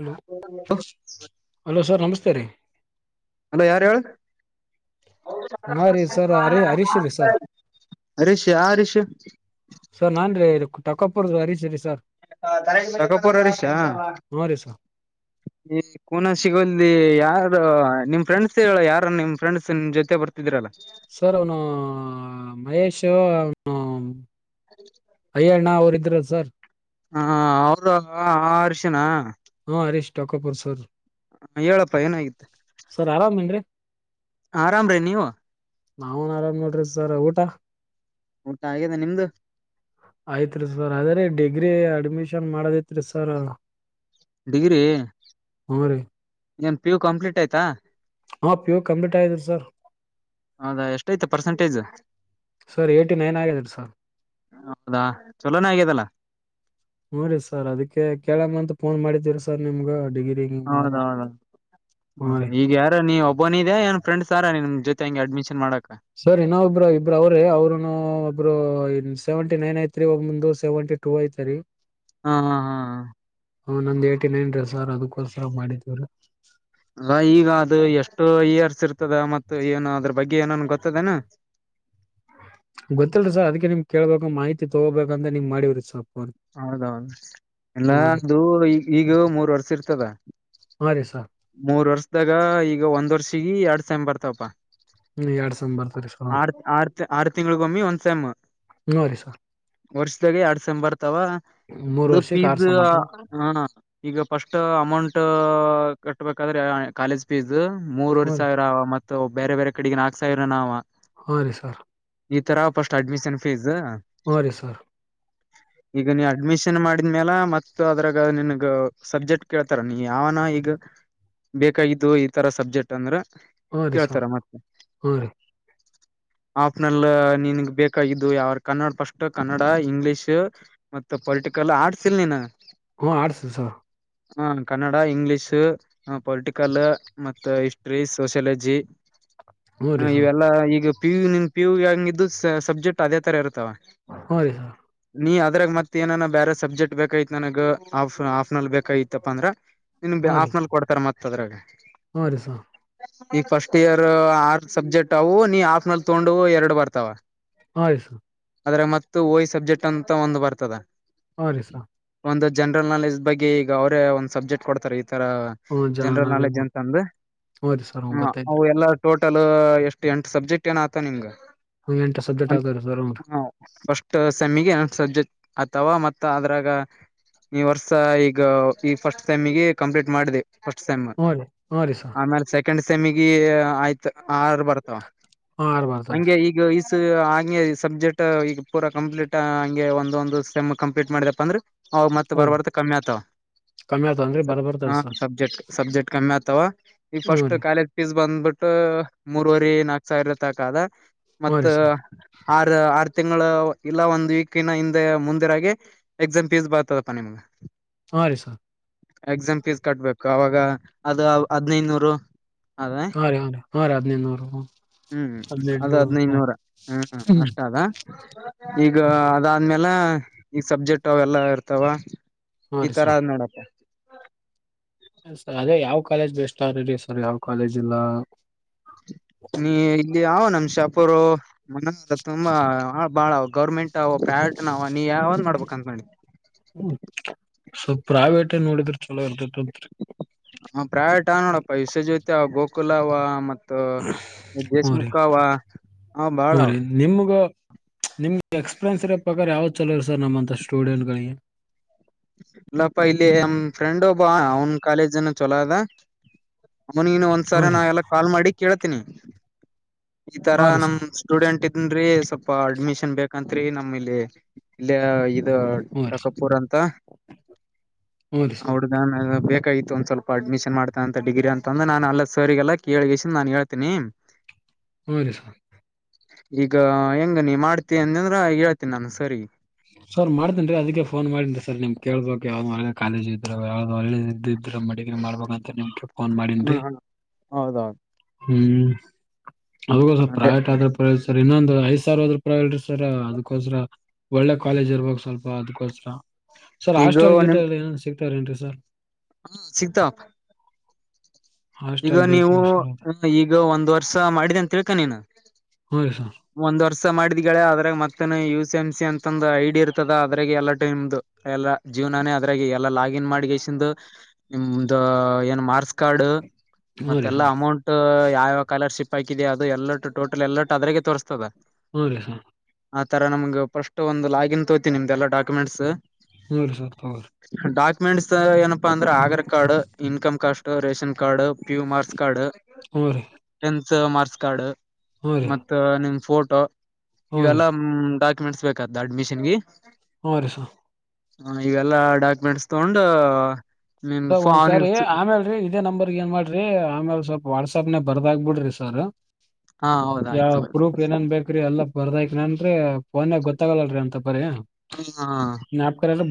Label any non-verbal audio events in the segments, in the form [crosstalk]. hello hello sir ನಮಸ್ತೆ ರೀ hello ಯಾರು ಹೇಳು ನಾ ರೀ ಸರ್ ಹರಿ ಹರೀಶ್ ರೀ ಸರ್ ರಿಷ ಹ ರಿಷ ತಟಕ್ಕಪ್ಪುದು ಸಾರಿ ಸರಿ ಸರ್ ಸಕಾಪುರ್ ಅರೀಷಾ ಹಾ ರೀ ಸರ್ ಈ ಕೂನ ಸಿಗಲ್ಿ ಯ ಆದ ನಿಮ್ ಫ್ರೆಂಡ್ಸ್ ಹೇಳ ಯಾರ ನಿಮ ಫ್ರೆಂಡ್ಸ್ ನಿ ಜೊತೆ ಬರ್ತಿದ್ರಲ್ಲ ಸರ್ ಅವನು ಮಹೇಶು ಅವನು ಅದ ಅ ಗ್ರ ಸರ್ ಹ ಅವದ ಅರಿಶಿನ ಹಾ ಹರೀಶ್ ಟಕಪರ್ ಸರ್ ಹ ಹೇಳಪ್ಪಾ ಏನಾಗಿತ್ತು ಸರ್ ಆರಾಮೇನ್ರಿ ಆರಾಮ ರೀ ನೀವು ನಾವನ್ ಆರಾಮ್ ನೋಡ್ರಿ ಸರ್ ಊಟ ಊಟ ಹಾಗಿದೆ ನಿಮ್ದು ಆಯ್ತ್ರಿ ಸರ್ ಅದ್ರ ಡಿಗ್ರಿ ಅಡ್ಮಿಷನ್ ಮಾಡದಿತ್ರಿ ಸರ್ ಡಿಗ್ರಿ ಹ್ಮ ರೀ ಏನ್ ಪಿ ಯು ಕಂಪ್ಲೀಟ್ ಆಯ್ತಾ ಹಾ ಪ್ಯೋರ್ ಕಂಪ್ಯೂಟೈಸರ್ ಸರ್ ಹೌದಾ ಎಷ್ಟಐತ ಪರ್ಸೆಂಟೇಜ್ ಸರ್ ಏ್ಟ ನೈನ್ ಆಗ್ಯಾದರಿ ಸರ್ ಹೌದಾ ಚಲೋನೇ ಆಗ್ಯದಲ್ಲ ಉನಿ ಸರ್ ಅದಕ್ಕೆ ಕೇಳಮ್ಮಂತ ಫೋನ್ ಮಾಡಿದೀರಿ ಸರ್ ನಿಮ್ಗ ಡಿಗ್ರಿ ಹೌದೌದ ಮಾಡ್ಬೇಕಂತ ಹ್ಮ್ ರೀ ಈಗ ಯಾರ ನೀ ಒಬ್ಬನಿದೆ ಏನ್ ಫ್ರೆಂಡ್ಸ್ ಯಾರ ನಿಮ ಜೊತೆ ಹಂ ಅಡ್ಮಿನ್ ಮಾಡಕ್ ಸರ್ ಇನ್ನೊಬ್ರ ಇಬ್ರ ಅವ್ರೇ ಅವ್ರನು ಒಬ್ರು ಸೆವೆಂಟಿ ನೈನ್ ಐತ್ರಿವಾಗ ಮುಂದು ಸೆವೆಂಟ ಟೂ ಐತ್ರಿ ಹಾ ಹಾ ಹಾ ಹ ಹ ನಂದ್ ಏಯಟಿ ನೈನ್ ರೀ ಸರ್ ಅದಕ್ಕೋಸ್ಸರ ಮಾಡಿದೀವ್ರೀ ಅ ಈಗ ಅದು ಎಷ್ಟು ಇಯರ್ಸ್ ಇರ್ತದ ಮ ಏನು ಅದ್ರ ಬಗ್ಗೆ ಏನನ್ ಗೊತ್ತದನಾ ಗೊತ್ತಲ್ರಿ ಸರ್ ಅದ್ಕ್ಕೆ ನಿಮ್ ಕೇಳ್ಬೇಕು ಮಾಹಿತಿ ತಗೋಬೇಕಂತ ನೀಂಗ್ ಮಾಡಿವ್ರಿ ಸೊ ಹೌದೌದು ರೀ ಎಲ್ಲಂದು ಈ ಈಗ ಮೂರ್ ವರ್ಷ ಇರ್ತದ ಹಾ ರ ಮೂರ್ ವರ್ಷದಾಗ ಈಗ ಒಂದ್ ವರ್ಷ ಗಿ ಎರಡ್ ಸಾಯ್ ಬರ್ತಾವಪ್ಪಾ ಎರಡ್ ಸಮ್ ಬರ್ತರಿ ಸರ್ ಹ್ರಿ ಆರ್ ಆರ್ ಆರ್ ತಿಂಗಗಳಗ ಒಮ್ಮಿ ಒಂದ್ ಸಮ್ ಹ್ಞೂ ರೀ ಸರ್ ವರ್ಷದಾಗ ಎರಡ್ ಸಮ್ ಬರ್ತಾವ ಮೂರ್ ಅದು ವರ್ಷಕ್ ಆರ್ ಫೀಸ್ ಸಮ್ ಆತ ಹಣ ಈಗ ಫಸ್ಟ್ ಅಮೌಂಟ್ ಕಟ್ಟಬೇಕಾದ್ರೆ ಕಾಲೇಜ್ ಫೀಸ್ ಮೂರವರೆ ಹ್ಞೂ ರೀ ಸಾವಿರ ಆ ಮ ಬೇರೆ ಬೇರೆ ಕಡೆಗ ನಾಕ್ಸ ಇರೋ ನಾವವು ಹಾ ರೀ ಸರ್ ಈ ತರ ಫಸ್ಟ್ ಅಡ್ಮಿಷನ್ ಫೀಸ್ ಹಾ ರೀ ಸರ್ ಈಗ ನೀ ಅಡ್ಮಿಷನ್ ಮಾಡಿದ್ಮೇಲ ಮ ಅದ್ರಾಗ ನಿನ್ಗ ಸಬ್ಜೆಕ್ಟ್ ಕೇಳ್ತಾರ ನೀ ಯಾವನ ಈಗ ಬೇಕಾಗಿದ್ದು ಈ ತರ ಸಬ್ಜೆಕ್ಟ್ ಅಂದ್ರೆ ಹಾ ರೀ ಸರ್ ಹಾ ರೀ ಆಪ್್ನಲ್ ನನ್ಗ್ ಬೇಕಾಗಿದ್ದು ಯಾವ ಕನ್ನಡ ಪಫಸ್ಟ್ ಕನ್ನಡ ಇಂಗ್ಲಿಷ್ ಮತ್ತ ಪೊಲಿಟಿಕಲ್ ಆರ್ಟ್ಸ್ ಇಲ್ ನೀನ್ ಹ್ಮ ಆಡ್ಸು ಸರ್ ಹಾ ಕನ್ನಡ ಇಂಗ್ಲಿೀಷು ಹ ಪೊಲಿಟಿಕಲ್ ಮತ್ತ ಹಿಸ್ಟ್ರಿ ಸೋಶಿಯಾಲಜಿ ಹ್ಞೂ ರೀ ಹ ಸರ್ ಇವೆಲ್ಲಾ ಈಗ ಪಿು ನಿ್ ಪಿ ಯು ಹಂಗ ಇದು ಸಬ್ಜೆಕ್ಟ್ ಅದೇ ತರ ಇರುತ್ತೆ ಹ್ಮ ರೀ ಸರ್ ನೀ ಅದ್ರಾಗ ಮತ್ತತ್ ಏನ ಬೇರೆ ಸಬ್ಜೆಕ್ಟ್ ಬೇಕೈತ್ ನನಗ್ ಹಫ್ ಹಾಫ್ ನಲ್ ಬೇಕಾಗಿತ್ತಪ್ಪ ಅಂದ್ರ ನಿನ್ ಹಾ ರೀ ಆಫ್ನ ಮತ್ತ ಅದ್ರಲ್ಲ ಹಾ ರಸಾ ಈಗ ಫಸ್ಟ್ ಇಯರ್ ಆರ್ ಸಬ್ಜೆಕ್ಟ್ ಅವು ನೀ ಆಫ್ ನಲ್ ತಗೊಂಡು ಎರಡ್ ಬರ್ತಾವ ಆಯ್ ಸು ಅದ್ರೆ ಮತ್ತ ಓಯ್ ಸಬ್ಜೆಕ್ಟ್ ಅಂತ ಒಂದು ಬರ್ತದ ಹ ರೀಸ ಒಂದು ಜನರಲ್ ನಾಲೆಜ್ ಬಗ್ಗೆ ಈಗ ಅವರೇ ಒಂದು ಸಬ್ಜೆಕ್ಟ್ ಕೊಡ್ತಾರೆ ಈ ತರ ಹ್ಞೂ ಜನ ಜನರಲ್ ನಾಲೆಡ್ಜ್ ಅಂತ ಹ್ಞೂ ಅಂದ್ರೆ ರೀ ಸರ್ ಹ್ಞೂ ಗೊತ್ತಾಯ್ತ್ರಿ ಎಲ್ಲ ಎ ಎಷ್ಟು ಎಂಟು ಸಬ್ಜೆಕ್ಟ್ ಏನ ಆತ ನಿಮ್ಗ ಎಂಟು ಸಬ್ಜೆಕ್ಟ್ ಆಗ್ತಾವ್ರೀ ಸರ್ ಹ್ಞೂ ಸ್ಟ್ ಸೆಮಿಗೆ ಸಜೆಕ್ ಅಥವಾ ಮತ್ತ ಅದ್ರಾಗ ಈ ವರ್ಸ ಈಗ ಈ ಫಸ್ಟ್ ಟೈಮಿಗೆ ಕಂಪ್ಲೀಟ್ ಮಾಡಿದೆ ಫಸ್ಟ್ ಸೆಮಿ ಹ್ಞೂ ರೀ ಹ್ಞೂ ರೀ ಸರ್ ಆಮೇಲೆ ಸೆಕೆಂಡ್ ಸೆಮಿ ಆಯ್ತು [unintelligible] ಆರ್ ಬರ್ತಾವ ಹಾಂ ಆರು ಬರ್ತಾವ ರೀ ಹಂಗೆ ಈಗ ಹಂಗೆ ಸಬ್ಜೆಕ್ಟ್ ಈಗ ಪೂರಾ ಕಂಪ್ಲೀಟ್ ಹಂಗೆ ಒಂದೊಂದು ಸ್ಟೆಮ್ ಕಂಪ್ಲೀಟ್ ಮಾಡಿದಪ್ಪ ಅಂದ್ರೆ ಹ ಮತ್ತ್ ಹ್ಞೂ ರೀ ಬರ್ಬಾರ್ದ ಕಮ್ಮಿ ಆಗ್ತವ ಕಮ್ಮಿ ಆತವ ಅನ್ರಿ ಬರ ಬರ್ತವ ಸರ್ ಹ ಸಬ್ಜೆಕ್ಟ್ ಸಬ್ಜೆಕ್ಟ್ ಕಮ್ಮಿ ಆಗ್ತವ ಈ ಹ್ಞೂ ಫಸ್ಟ್ ರೀ ಕಾಲೇಜ್ ಫೀಸ್ ಬಂದ್ಬಿಟ್ಟು ಮೂರ್ವರಿ ನಾಕ್ ಸಾವಿರ ಇತಕದ ಹ್ಞೂ ಮತ್ತ ರೀ ಸರ್ ಆರ್ ಆರ್ ತಿಂಗಳ ಇಲ್ಲ ಒಂದ್ ವೀಕ್ಿನ ಹಿಂದೆ ಮುಂದೆರಾಗಿ ಎಕ್ಸಾಮ್ ಫೀಸ್ ಬರ್ತದಪ್ಪಾ ನಿಮ್ಗ ಹಾ ರೀ ಸರ್ ಎಕ್ಸಾಮ ೇಸ್್ ಕಟ್ಬೇಕು ಅವಾಗ ಅದು ಹದ್ಿನೈದುನೂರು ಅದೇ ಹಾಂ ರೀ ಹಾಂ ರೀ ಹಾಂ ರೀ ಹದಿನೈದು ನೂರು ಹ್ಞೂ ಹ್ಮ್ ಹದಿನೆಂಟು ಅದು ನೂರು ಹ್ಞೂ ಹದ್ಿನೈದುನೂರ ಹ್ಮ್ ಹ್ಞೂ ಅಷ್ಟ ಅದ ಈಗ ಅದಾದ್ಮೇಲೆ ಈಗ ಸಬ್ಜೆಕ್ಟ್ ಅವೆಲ್ಲಾ ಇರ್ತಾವ ಹಾಂ ಈ ರೀ ತರ ಸರ್ ಅದ್ ನೋಡಪ್ಪ ಸ ಅದೇ ಯಾವ್ ಕಾಲೇಜ್ ಬೆಸ್ ಆರಿ ಸರ್ ಯಾವ್ ಕಾಲೇಜ್ ಇಲ್ಲ ನೀ ಇಲ್ಲಿ ಯ ನಮಷಾಪೂರು ಮ ತುಂಬಾಳ ಬಾಳ ಗೌರ್ಮೆಂಟ್ ಅವ ಪ್ರವೇಟ್ ನ ನೀ ಯಾವಾಗ್ ನೋಡ್ಬೇಕ ಅಂದಕಿ ಸೊಲ್ ಪ್ರೈವೇಟ್ ನ್ ನೋಡಿದ್ರ ಚಲೋ ಇರ್ತತಿ [inaudible] ಪ್ರೈವೇಟ್ ನೋಡಪ್ಪ ವಿಸೆ ಜೊತೆ ಅವ ಗೋಕಲ್ಲ ಅವ ಹ್ಞೂ ರೀ ದೇಶಮುಕ್ಕಾವ ಹ ಬಾಳ ಹ್ಞೂ ಅವ ರೀ ನಿಮ್ಗ ನಿಮ್ಗೆ ಎಕ್ಸ್ಪೀರಿಯನ್ಸ್ ಇರೋ ಪ್ರಕಾರ ಯಾವ್ದ್ ಚಲೋ ಸರ್ ನಮ್ಮಂತ ಸ್ಟೂಡೆಂಟ್ಗಳಿಗೆ ಇ ಪಹಲೆ ಅ ಫ್ರೆಂಡ್ ಒಬ್ಬ ಅವ್ನ್ ಕಾಲೇಜ್ನ ಚಲದಾ ಅಮನನು ಒಂದ್ಸ ಹ್ಞೂ ರೀ ನಾವೆಲ್ಲ ಕಾಲ್ ಮಾಡಿ ಕೇಳ ಇತ್ತನ ಈ ತರ ಹ್ಞೂ ರೀ ನಮ ಸರ್ ಸ್ಟೂಡೆಂಟ್ ಇದನ್ೀ ಸ್ವಲ್ಪ ಅಡ್ಮಿಷನ್ ಬೇಕಂತತ್್ರ ನಮ್ಮ ಇಲ್ಲಿ ಇ ಇ ಹ್ಞೂ ರೀ ಸರ್ ಟಕಪೂರ್ ಅಂತ ಹ್ಞೂ ರೀ ಸರ್ ಅವಡದ ಬೇಕಾಗಿತ್ತು ಒಂದ್ ಸ್ವಲ್ಪ ಅಡ್ಮಿಷನ್ ಮಾಡ್ತಾ ಅಂತ ಡಿಗ್ರಿ ಅಂತಂದ್ರ ನಾನ ಅಲ್ಲ ಸರಿಗೆಲ್ಲಾ ಕೇಳಗ ನಾನು ಹೇಳ್ತೀನಿ ಹರಿ ಸ ಈಗ ಹೆಂಗ ನೀ ಮಾಡ್ತೀ ಅಂತ ಅಂದ್ರ ಹೇಳ್ತೀನಿ ನಾನು ಸರಿ ಸರ್ ಮಾಡ್ತೇನ್ೀ ಅದಕ್ಕೆ ಫೋನ್ ಮಾಡೇನ್ರಿ ಸರ್ ನಿಮ್ ಕೇಳ್ಬೇಕಕ್ ಯಾವ್ದ್ ಒಳ್ಳೆ ಕಾಲೇಜ್ ಇದ್ರು ಯಾವ್ದ್ ಒಳ್ಳೆ ಇದ ಇದ್ರರು ಮಡಗ್ರಿ ಮಾಡ್ಬೇಕಂತ ನಿಮು ಫೋನ್ ಮಾಡಾರಂತೆ ಹ್ಮ್ ಹ್ಮ್ ಹೌದೌದು ಹ್ಮ್ ಹ ಅದು ಅದೇ ಪ್ರವೇಟ್ ಆದ್ರ ಪರ್ ಇನ್ನೊಂದ್ ಐದ ಸಾವಿರ ಹದ್ ರೂಪಾಯಿ ಹೇಳರಿಿ ಸರ್ ಅದಕೋಸ್್ರರ ಒಳ್ಳೆ ಕಾಲೇಜ್ ಇರ್ಬ ಸ್ವಲ್ಪ ಅದ್ಕೋಸ್ರ ಸರ್ ಈಗ ಹಸ್ಟಲ್ ಗಟ್ ಆ ಏನ್ ಸಿಕ್ತಾರೆ ಇಂಟ್ರೆಟ್ ಸ ಹಾ ಸೀತಾಪ್ ಈಗ ಹಾಸ್ಟೆಲ್ ಬೇಕು ನೀವು ರೀ ಸರ್ ಅದು ಈಗ ಒಂದ್ ವರ್ಷ ಮಾಡಿದ ಅಂತೇಳ್ಕ ನೀನು ಹೌ ಸರ್ ಸ ಮಾಡಿದ್ಳೆ ಅದ್ರಾಗ ಮತ್ತನ್ ಯು ಸಿ ಎಂ ಸಿ ಅಂತ ಒಂದು ಐಡಿ ಇರ್ತದ ಅದ್ರಾಗ ಎಲ್ಲ ಟೈಮ್ದು ಎಲ್ಲಾ ಜೀವನಾನೇ ಅದ್ರಾಗ ಎಲ್ಲಾ ಲಾಗಿನ್ ಮಾಡಿಸಂದು ನಿಮ್ದ ಏನು ಮಾರ್ಸ್ ಕಾರ್ಡ್ ಹ್ಞೂ ರೀ ಮತ್ತೆಲ್ಲಾ ಸರ್ ಅಮೌಂಟ್ ಯಾವಾವ ಕಾಲರ್ಶಿಪ್ ಪೈಕಿದ ಅದು ಎಲ್ಲಟು ಟೋಟಲ್ ಎಲ್ಲಾಟ್ಟ ಅದ್ರಾಗ ತೋರ್ತದ ಹೌದ ಹ ಆ ತರ ನಮ್ ಫಸ್ಟ್ ಒಂದು ಲಾಗಿನ್ ತೋ್ತಿ ನಿಮ್ದ ಎಲ್ಲ ಡಾಕ್ಯುಮೆಂಟ್ಸ್ ಹೌರರಿ ಸರ್ ಹಗ್ರಿ [unintelligible] ಮೆಂಟ್ಸ್ ಏನಪ್ಪ ಅಂದ್ರೆ Aadhaar card income caste ration card ಪ್ಯುಮಾರ್ಸ್ ಕಾರ್ಡ್ ಹೂ ಮಾರ್ಸ್ ಕಾರ್ಡ್ ಮತ್ತ ನಿಮ್ ಫೋಟ ತ ಹ್ಞೂ ರೀ ಈವೆಲ್ಲ ಡಾಕ ಮೆಂಟ್ಸ್ ಬೇಕಾದ ಅಡ್ಮಿಷನ್ಗೆ ಹ ರೀ ಸರ್ ಹ ಇವೆಲ್ಲಾ ಡಾಕ್ಯುಮೆಂಟ್ಸ್ ತಗೊಂಡ ಸ ಒಂದ್ಸರಿ ಆಮೇಲ್ ರೀ ಇದೇ ನಂಬರ್ ಏನ್ ಮಾಡ ರೀ ಆಮೇಲೆ ಸ್ವಲ್ಪ ವಾಟ್ಸಪ್ ಪ್ನೆ ಬರ್ದಾಗಬಿಡ್ರಿ ಸರ್ ಹಾ ಹೌದ ಯಾವ ಆಯ್ತು ಪ್ರೂಫ್ ಏನೇನ್ ಬೇಕ್ರೀ ಎಲ್ಲ ಬರ್ದ ಏನಂದ್ರೆ ಫೋನಾಗ ಗೊತ್ತಾಗಲ್ಲಲ್ರರಿ ಅಂತಪ್ಪ್ರೀಯಪ್ಕ ಹ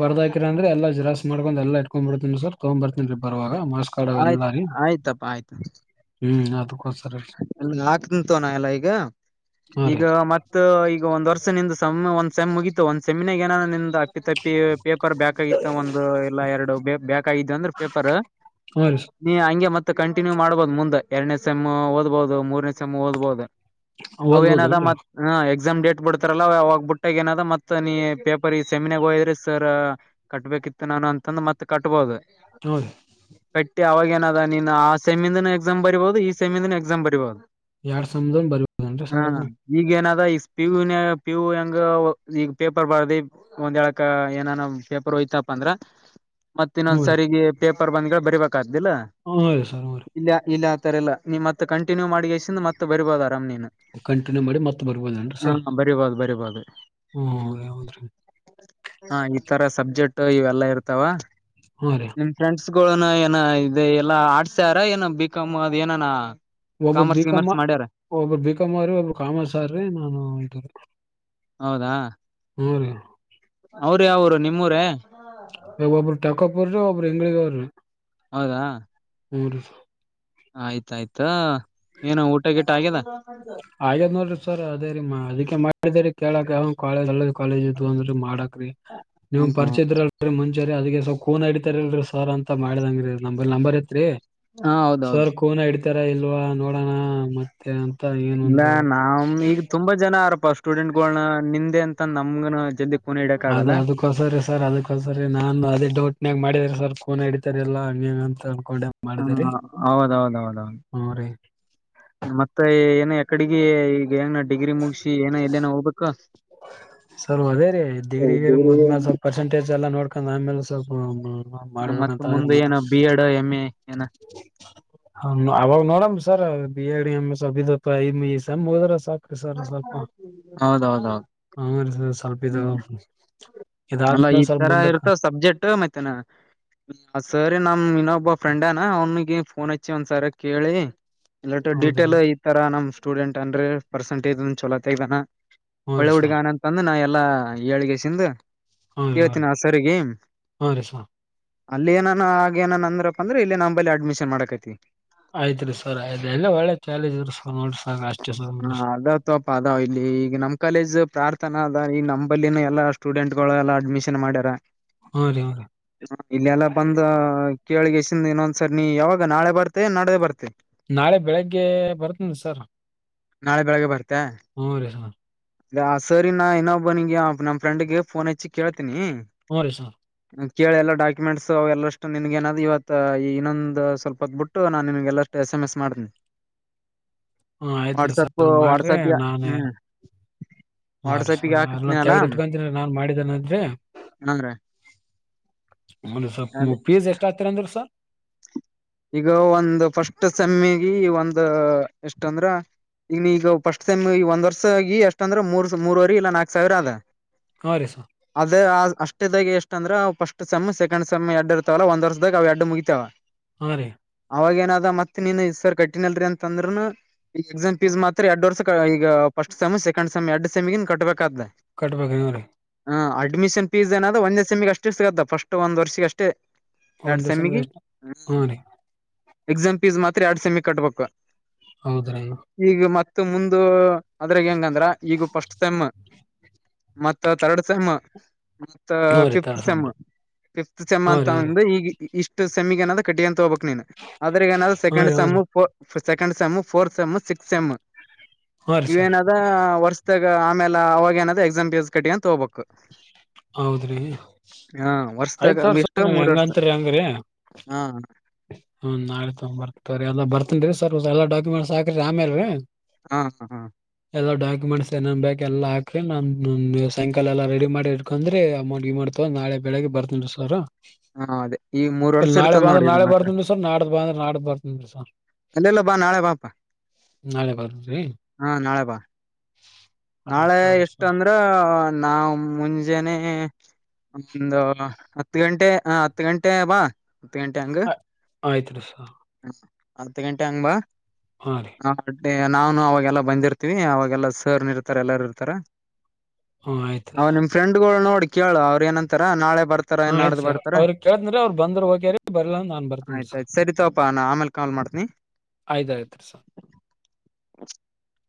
ಬರ್ದಕಿ ಅಂದ್ರ ಎಲ್ಲ ಜೆರಾಕಸ್ ಮಾಡಕುಂದ ಎಲ್ಲ ಇಟ್ಕೊಂಡ್ ಬಿಡ್ತನ ಸರ್ ತೊಂಬತ್ಲ್ರಿ ಬರುವಾಗ ಮಸ್ಕಾಡ ಆಯ್ತ ಎಲ್ಲಾರಿ ಹ್ಮ್ ಅದುಕ ಇ ಹಾಕ್ಂತ ನ ಎಲ್ಲ ಈಗ ಹಾ ರೀ ಈಗ ಮತ್ತ ಈಗ ಒಂದ್ ವರ್ಷ ನಿಂದು ಸಮ ಒ ಸೇಮ ಮುಗಿತ ಒಂದ್ಸಮಿನಗಾ ಏನನ ಅಪ್ಪಿ ತಪ್ಪಿ ಪೇಪರ್ ಬ್ಯಾಕ್ಗಿತ್ತು ಒಂದು ಎಲ್ಲ ಎರಡು ಬ್ಯಾಕ್ ಆಗಿದ್ದ ಅಂದ್ರೆ ಪೇಪರ್ ಹಾ ರೀ ನೀ ಹಂಗೆ ಮತ್ತ ಕಂಟಿನ್ಯೂ ಮಾಡ್ಬಹುದು ಮುಂದ ಎರಡನೇ ಸೇಮ್ ಓದಬಹದು ಮೂರನೇ ಸೇಮ್ ಓದ್ಬಹುದು ಅವುಏನದ ಓದ್ಬೋದೇನ್ರಿ ಮತ್ತ ಹ್ಮ ಎಕ್ಸ್ ಎಕ್ಸಾಮ್ ಡೇಟ್ ಬಿಡ್ತಾರಲ್ಲ ಅವಾಗ್ಬ ಬಿಟ್ಟಾಗ ಏನದ ಮತ್ತ ನೀ ಪೇಪರ್ ಈ ಸೆಮಿನಾಗ ಹೋಯದ್ರೆ ಸರ್ ಕಟ್ಬೇಕಿತ್ತು ನಾನು ಅಂತಂದ ಮತ್ತ ಕಟ್ಬಹದು ಹ್ಞೂ ರೀ ಹ ಅವಾಗೇಏನದ ನೀನ್ ಆ ಸೆಮಿಂದ ಎಕ್ಸಾಮ್ ಬರಬಹುದು ಈ ಸೆಮಿಂದಿನ ಎಕ್ಸಾಮ್ ಬರೀ ಬಹುದ ಎರಡ ಸೆಮದ ಬರಿಬಹುದ ಸರ ಈಗ ಏನದ ಈಗ ಪಿ ಯ ಪಿ ಯು ಹೆಂಗ ಈಗ ಪೇಪರ್ ಬರದಿ ಒಂದ್ ಎಳಕ್ ಏನಾನ ಪೇಪರ್ ಹೋಯ್ತಪ್ಪ ಅಂದ್ರ ಮತ್ತ ಹ್ಞೂ ಇನ್ನೊಂದ್ ರೀ ಸರಿಗೆ ಪೇ ಪ್ರಬಂಧಗಳು ಬರಬೇಕೆ ಇಲ್ಲ ಹ್ಞೂ ರೀ ಸರ್ ಹ್ಞೂ ರೀ ಇಲ್ಲ ಇಲ್ಲ ರಲ್ಲ ನಿಮ್ಮ ಕಂಟಿನ್ಯೂ ಮಾಡಿತ್ತೆ ಬರಬಹದ ಕಂಟಿನ್ಯೂ ಮಾಡಿ ಮತ್ತೆ ಬರ್ಬೋದೇನ್ರ ಸರ್ ಅದು ಹ್ಮ ಹೌದ್ರೀ ಹಾ ಈ ತರ ಸಬ್ಜೆಕ್ಟ್ ಇವೆಲ್ಲಾ ಇರ್ತಾವ ಹ್ಞೂ ರೀ ಇನ್ಫ್ಲನ್ಸ್ ಗಳನ ಏನ ಇ ಎಲ್ಲಾ ಆಡ್ಸ್ಯಾರ ಏನ ಬಿಕಾಮ್ ಅದ ಏನಾನ ಒಬ್ಬ ಕಾಮರ್ಸ್ ಬಿಕಮ್ಮ ಗಿಮರ್ಸ್ ಮಾಡ್ಯಾರ ಒಬ್ಬ ಬಿಕಮ್ಮ್ರೀ ಒಬ್ ಕಾಮಸ್ಾರ್ರಿ ನಾನು ಉಂಟಿ ಹೌದಾ ಹ ರೀ ಅವ್ರ ಯಾವರು ನಿಮೂರ ಎ ಬಬರ ಟಕ ಪರ ಅವರು ಹೆಂಗಗ ಅವ ಹೌದಾ ಮೂರು ಆಯ್ತಾಯ್ತ ಏನ ಊಟ ಗಿಟ ಆಗ್ಯದ ಹಾಗದ್ ನೋಡ್ರಿ ಸರ್ ಅದೇ ರೀ ಅದಕ್ಕೆ ಮಾಡ ಕೇಳಕ್ ಕ ಕಾಲೇಜ ಅಂದ ಮಾಡಕ್ ನೀವು ಹ್ಮ್ ಹ್ಮ್ ಪರಿಚಯ ಇದಲ್ ಮುಂ ರಿ ಅದಗೆ ಸ ೋನ್ಡಿತಾರಲ್ರರಿ ಸಾರ್ ಅಂತ ಮಾಡ್ದಂಗ್ರೀ ನ ನಂಬರ್ ಐತ್ರಿ ಹಾ ಹೌದೌದು ಈ ತರ ಇಲ್ವಾ ನೋಡೋಣ ಮತ್ತೆ ಅ ಇಲ್ಲ ನವು್ ಈಗ ತುಂಬಾ ಜನ ಆರ್ಪ ಸ್ಟೂಡೆಂಟ್ಗಳನ್ನ ನಿಂದೆ ಅಂತ ನಮ್ ಜ ಅದ ಅದಕ್ಕೋಸರಿ ಸರ್ ಅದಕ್ಕೊಸರಿ ನಾನ್ ಅದೇ ಡೌಟ್ನ್ಯಾಗ ಮಾಡಿದ್ರಿ ಸರ್ ಫೋ ಹಡಿತಾರೆ ಎಲ್ಲ ಹ ಅಂತ ಅನ್ಕೊಂಡೆ ಮಾಡಿದೇರಿ ಹ್ಮ ಹೌದೌದೌದೌದು್ ಹ್ಞೂ ರೀ ಮತ್ತೆ ಏನ ಯಕಡೆಗ ಈಗ ಹೆಂಗ ನಡ್ ಡಿಗ್ರಿ ಮುಗಸಿ ಏನೋ ಎಲ್ಲೇನೋ ಹೋಗ್ಬೇಕಾ ಸ ಅದೇರಿ ಡಿಗ್ರಿಗ್ರಿ ಮುದ್ಮೇಾಲ ಸ್ವಲ್ಪ ಪರ್ಸಂಟೇಜ್ ಎಲ್ಲ ನೋಡ್ಕ್ ಆ್ಮೇಲೆ ಸ್ವಲ್ಪ ಮತ್ತ ಮಾಡ್ಬೇಕಂತ್ರ ಮುಂದೆ ಏನ ಬಿ ಎಡ್ ಎಮ್ ಎ ಏನ ಅವಾಗ ನೋಡಮ sir B Ed M S M ಹೋದ್ರ ಸಾ ಹೌದೌದುೌ ಹ್ಮ ರೀ ಸರ್ ಸ್ವಲ್ಪ ಇದು ಅಲ್ಲ ಇದಾದ್ಮೇಲೆ ಈ ಸ್ವಲ್ಪ ತರ ಮುಂದಕ್ ಇರ್ತ ಸಬ್ಜೆಕ್ಟ್ ಮ ಸರಿ ನ ಇನ್ನೊಬ್ಬ ಫ್ರೆಂಡ್ನಾ ಅವ್ನಿಗೆ ಫೋನ್ ಹಚ್ಚಿ ಒಂದ್ಸರಿ ಕೇಳಿ ಇಲ್ಲಟ್ಟ ಹೌದ್ರಿ ಡಿೀಟೇಲ್ ಈ ತರ ನಮ್ ಸ್ಟೂಡೆಂಟ್ ಅಂದ್ರೆ ಪರ್ಸೆಟೇಜ್ ಚಲೋ ತೆಗ್ದಾನ ಹ್ಞೂ ಒಳ್ಳೆ ರೀ ಸರ್ ಹುಡುಗಾನ ಅಂತಂದ್ರ ನಾ ಯಾವ ಎಲ್ಲ ಏಳ್ಗೆಸಂದು ಹ್ಞೂ ರೀ ಹ್ಞೂ ರೀ ಕೇಳ್ತೀನ ಸರಿ ಗೀಮ ಹ್ಞೂ ರೀ ಸರ್ ಅಲ್ಲಿ ಏನಾನ ಆಗ ಏನ ಅಂದ್ರಪ್ಪ ಅಂದ್ರೆ ಇಲ್ಲಿ ನಂಬಳಿ ಅಡ್ಮಿಷನ್ ಮಾಡಕೈತಿತಿ ಆಯ್ತ್ ರೀ ಸರ್ ಆಯ್ತ್ ಎಲ್ಲ ಒಳ್ಳೆ ಕಾಲೇಜ್ ಇದ್ರಿ ಸರ್ ನೋಡ್ರಿ ಸರ್ ಅಷ್ಟೇ ಸರ್ ಹಾ ಹ್ಞೂ ಅದಾವತ್ಪ್ಪ ಅದಾವ್ ಇಲ್ಲಿ ಈಗ ನಮ್ ಕಾಲೇಜ್ ಯಾರ್ತನ ಅದ ಈ ನಂಬಲ್ಲಿನ ಎಲ್ಲಾ ಸ್ಟೂಡೆಂಟ್ ಗಳು ಎಲ್ಲಾ ಅಡ್ಮಿಷನ್ ಮಾಡ್ಯಾರ ಹಾ ರೀ ಹಾ ರ ಇಲ್ಲ ಎಲ್ಲ ಬಂದ ಕೇಳಿಗೆಸಿಂದ ಇನ್ನೊಂದ್ಸರಿ ನೀ ಯಾವಾಗ ನಾಳೆ ಬರ್ತೆ ನಡ್ದೆ ಬರ್ತೆ ನಾಳೆ ಬೆಳಿಗ್ಗೆ ಬರ್ತನ ಸರ್ ನಾಳೆ ಬೆಳಗ್ಗೆ ಬರ್ತನೆ ಹ್ಮ್ ರರಿ ಹಾ ಸರಿ ನಾ ಏನೊಬ್ಬನಿಗೆ ನಮ್ಮ ಫ್ರೆಂಡ್ಗೆ ಫೋನ್ ಹಚ್ಚಿ ಕೇಳ ಹ್ಞೂ ರೀ ಸರ್ [inaudible] ಕೇಳಿ ಎಲ್ಲ ಡಾಕ್ಯುಮೆಂಟ್ಸು ಎಲ್ಲಷ್ಟು ನಿಿನಗೇನಾದದು ಇವತ್ತು ಈ ಇನ್ನೊಂದು ಸ್ವಲ್ಪ ಹೊತ್ತು ಬಿಟ್ಟು ನಾನು ನಿಿನಗೆಲ್ಲಷ್ಟು ಎಸ್ ಎಮ್ ಎಸ್ ಮಾಡ್ತೀನಿ ಹ್ಮ ಆಯ್ತ್ರಿೀ ವಾಟ್ಸಪ್ ಸರ್ ಮಾಡ್ರಿ ವಾಟ್ಸಪ್ಗೆ ನಾನೇ ಹ್ಮ್ ಹಾ ರೀ ವಾಟ್ಸಪ್ಗೆ ಸ ಎ ಹಾಕತ್ನಲ್ಲ ತೆಗ್ದ್ ಇಟ್ಕೊಂತೀನ ನಾನ್ ಮಾಡಿದ್ದನದ್ರೆ ಅಂದ್ರ ಹ ಸ ಅದೇ ಪ್ಲಸ್ ಎಷ್ಟ್ ಆಗ್ತರ ಅಂದ್ರಿ ಸರ್ ಈಗ ಒಂದು ಫಸ್ಟ್ ಸಮ್ಮಿ ಈ ಒಂದ ಎಷ್ಟ ಅಂದ್ರ ಈಗ ನೀಗ ಫಸ್ಟ್ ಟೈಮ್ ಈ ಒಂದ್ ವರ್ಷಗ ಎಷ್ಟ ಅಂದ್ರ ಮೂರ್ ಮೂರವರೆ ಇಲ್ಲಾ ನಾಕಕ್ ಸಾವಿರ ಅದ ಹ್ಞೂ ರೀ ಸರ್ ಅದೇ ಆ ಷ್ಟಾಗ ಎಷ್ಟ ಅಂದ್ರೆ ಸ್ಟ್ ಸೆ್ ಸೆಕಂಡ್ ಸೆ್ ಎಡ್ ಇರ್ತವಲ್ಲ ಒಂದ ವರ್ದಾಗ ಅವವು ಎಡ್ ಮುಗಿತವಾವ ಹಾ ರೀ ಅವಾಗೇಏನದ ಮತ್ತತ್ ನೀನ್ ಇರ್ ಕಟ್ಟಿನಲ್ರರಿ ಅಂತಂದ್ನು ಈ ಎಕ್ಸಾಮ್ಫೀಸ್ ಮಾತ್ರ ಎರಡ್ ಈಗಫಸ್ಟ್ ಸೆಮ್ ಸೆಕಂಡ್ ಸೆಮ್ ಎರಡ್ ಸೆಿನ್ ಕಟ್ಬೇಕು ಕಟ್ಬೇಕ್ರಿ ಹ್ಞೂ ರೀ ಹ ಅಡ್ಮಿಷನ್ ಫೀಸ್ ಏನಾದ್ ಒಂದೇ ಸೆಮಿಗೆ ಅಷ್ಟ ಸಿಗತ್ತ ಫಸ್ಟ್ ಒಂದು ವರ್ಷಿ ಅಷ್ಟೇ ಹ ಎರಡ್ ಒಂದು ಸೆಮಿಗೆ ದಸಷ್ಟ ಹಾ ರೀ ಎಕ್ಸಾಮ್ ಫೀಸ್ ಮಾತ್ರ ಎರಡ್ ಸೆಮಿ ಕಟ್ಬೇಕ ಹೌದ್ರನು ಮತ್ತು ಮುಂದು ಅದ್ರ ಹೆಂಗಂದ್ರ ಈಗ ಫಸ್ಟ್ ಟೈಮ್ ಮತ್ತ ಥರ್ಡ್ ಸೇಮ್ ಮತ್ತ ಹಾ ರೀ ಫಿಫತ್ ತರ್ಸಮ್ ಸೆಮ್ ರೀ ಫಿಫತ್ ಸೆಮ್ ಹಾ ಅಂತ ರೀ ಹಾ ರೀ ಅಂದ್ರೆ ಈಗ ಇಷ್ಟು ಸೆಮಿಗ ಅದ ಕಟ್ಟಿಯಂತೋ ಆದ್ರೆ ಏನಾದ್ ಹಾ ಸೆಕೆಂಡ್ ರೀ ಹಾ ಸೇಮ್ ರೀ second sem fourth sem sixth sem ಹಾ ರೀ ಸರ್ ಇವೇನದ ಆಮೇಲೆ ಅವಾಗ ಏನಾದ್ರೂ ಎಕ್ಸಾಮ್ ಪಸ್ ಕಟ್ಟಿ ಅಂತ ಹೋಗ್ಬೇಕು ಹೌದ್ರಿ ಹಾ ವರ್ಷದಾಗ ಐದೂವರ್ಷ ಎಷ್ಟು ಹೇಗೆ ಮೂರ್ ವರ್ಷ ಅತೀರ ಹಾಗ್ರಿ ಹಾ ಹ್ಮ ನಾಳೆ ತೊಗ್ ಬರ್ತಾರೆ ಎಲ್ಲ ಬರ್ತನ್ ಸರ್ ಎ ಡಾಕ್ಯುಮೆಂಟ್ಸ್ ಹಾಕರಿ ಆಮೇಲ್ರಿ ಹ್ಮ ಹಾ ಹಾ ಎಲ್ಲ ಡಾಕ್ಯುಮೆಂಟ್ಸ್ಏ ಬೇಕಕ್ ಎಲ್ಲ ಹಾಕ್ರಿ ನ ಸಾಯಕಾಲ ಎಲ್ಲ ರೆಡಿ ಮಾಡಿ ಅಕಂದ್ರೆ ಅಮೌಂಟ್ ಇ ಮಾಡ್ತವ ನಾಳೆಬೆಳಗ್ಗೆ ಬರ್ತನಿ ಸರ್ ಅದೇ ಈ ಮೂರ್ ಇಲ್ಲ ವರ್ಷ ನಾಳೆ ಇರ್ತದ ಬಂದ್ರೆ ನೋಡಿ ಇದು ನಾಳೆ ಮಾತ್ರ ಬರ್ತನ್ ಸರ್ ನಾಡ್ದ ಬಾಂದ್ರೆ ನಾಡ್ದ ಬರ್ತನ್ ಸರ್ ಅಲ್ಲೆಲ್ಲ ಬಾ ನಾಳೆ ಬಾಪಾ ನಾಳೆ ಬರ್ತೇನ್ರಿ ಹಾ ನಾಳೆ ಬಾ ಆಯ್ತ್ ನಾಳೆ ತೊಗೊರಿ ಎಷ್ಟ ಸರ್ ಅಂದ್ರ ನಾವ್ ಮುಂಜಾನನೆ ಒಂದು ಹತ್ತು ಗಂಟೆ ಹತ್ ಗಂಟೆ ಬಾ ಹತ್ತು ಗಂಟೆ ಹಂಗ ಆಯ್ತ್ ರೀಸ ಹತ್ತು ಗಂಟೆ ಹಂಗಂಬಾ ಹಾ ರೀ ನಾನು ಅವಾಗೆಲ್ಲ ಬಂದಿರ್ತಿವಿ ಅವಾಗೆಲ್ಲಾ ಸರ್ ನಿ ಇರ್ ಇರ್ತ ಎಲ್ಲಾರ ಇರ್ತಾರ ಹ್ಮ್ ಆಯ್ತ್ ಅವ ರೀ ನಿಮ್ ಫ್ರೆಂಡ್ಗಳು ನೋಡ್ರಿ ಕೇಳು ಅವ್ರ ಏನಂತಾರ ನಾಳೆ ಬರ್ತಾರ ಹ ಆಯ್ತ ನಾಡ್ದ ಸರ್ ಬರ್ತಾರ ಅವ್ರಗ್ ಕೇಳತನ್ ಅವರು ಬಂದ್ರ ಓಕೆ ಬರ್ಲ ನಾನ್ ಬರ್ತೇನ ಸರ್ ಆಯ್ತಾಯ್ತು ಸರಿತವಪ್ಪಾ ನಾ ಆಮೇಲೆ ಕಾಲ್ ಮಾಡ್ತನಿ ಆಯ್ತಾಯ್ತ ಸರ್ [inaudible]